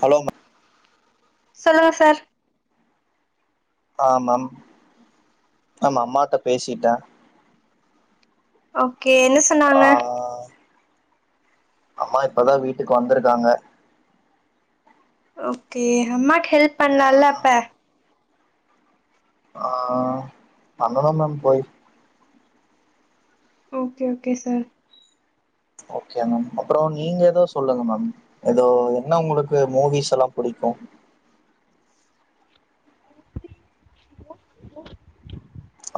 ஹலோங்க சொல்லுங்க சார் ஆமா மேம் ஆமா அம்மாட்ட பேசிட்டே ஆ ஓகே என்ன ஆ சொன்னாங்க அம்மா இப்பதான் வீட்டுக்கு வந்திருக்காங்க ஓகே அம்மாட் ஹெல்ப் பண்லால அப்ப ஆஹ் அங்கதா மேம் போய் okay okay sir okay ma'am அப்புறம் நீங்க ஏதோ சொல்லுங்க மேம் ஏதோ என்ன உங்களுக்கு மூவிஸ்ல்லாம் புடிக்கும்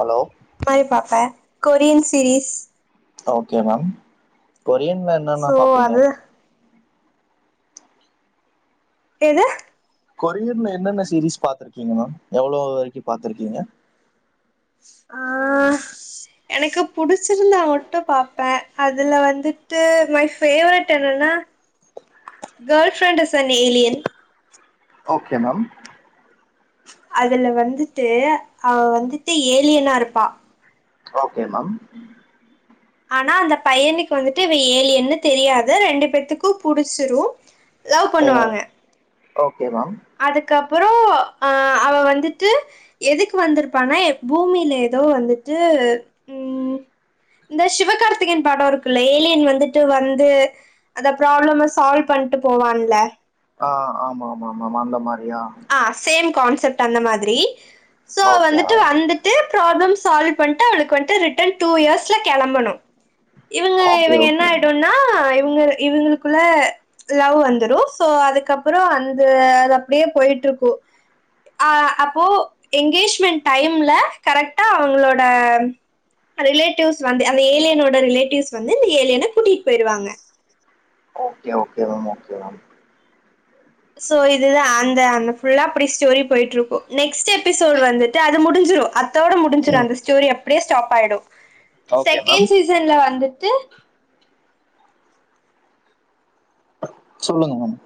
ஹலோ போய் பாப்பே கொரியன் சீரீஸ் ஓகே மேம் கொரியன்ல என்னன்ன சோ பாப்பீங்க அது ஏது இருக்கங்க மேம் எவ்வளவு வரைக்கும் பாத்துருக்கீங்க ஆஹ் எனக்கு புடிச்சிருந்தா மட்டு பாப்பே அதுல வந்துட்டு மை ஃபேவரெட் என்னன்னா girlfriend is a alien okay ma'am அதுல வந்துட்டு அவ வந்துட்டு ஏலியனா இருப்பா ஓகே மேம் ஆனா அந்த பையனுக்கு வந்துட்டு இவ ஏலியன்னு தெரியாது ரெண்டு பேத்துக்கு புடிச்சிரு லவ் ம் பண்ணுவாங்க ஓகே மேம் அதுக்கப்பறோ அஹ் அவ வந்துட்டு எதுக்கு வந்திருப்பானா பூமியில ஏதோ வந்துட்டு உம் இந்த சிவகார்த்திகேயன் படோ இருக்குல்ல ஏலியன் வந்துட்டு வந்து அந்த ப்ராப்ளம சால்வ் பண்ட்டு போவான்ல ஆஹ் ஆமா ஆமா ஆமா ஆமா அந்த மாரி ஆ சேம் கான்ஸ் க்செப்ட் பண்ண மாதிரி சோ ஓகே வந்துட்டு மேம் வந்துட்டு ப்ராப்ளம் சால்வ் பண்ணிட்டு அவளுக்கு வந்துட்டு ரிட்டன் டூ இயர்ஸ்ல கெளம்பணும் இவங்க ஓகே இவங்க என்ன ஓகே மேம் ஆயிடும்னா இவுங்க இவுங்களுக்குள்ள லவ் வந்துரு சோ அதுக்கப்புறோ அந்த அது அப்டியே போயிட் இருக்கும் அஹ் அப்போ எங்கேஜ்மெ் டைம்ல கரெக்டா அவங்களோட ரிலேட்டிவ்ஸ் வந்து அந்த ஏலியன் ஓட ரியலேடிவ்ஸ் வந்து அந்த ஏலியன கூட்டிகிட்டு போயிருவாங்க okay okay ma'am okay ma'am so இதுதா அந்த அந்த ஃபுல்லா அப்டி ஸ்டோரி போயிட்ருக்கும் நெக்ஸ்ட் எபிசோட் வந்துட்டு அது முடிஞ்சிரு தோடடிஞ்சிரு ம் அந்த ஸ்டோரி அப்படியேஸ்டாப் பயடு ஓகே மேம் செகண்ட் சீசன்ல வந்துட் த்து சொல்லுங்க மேம்